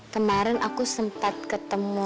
kemarin aku sempat ketemu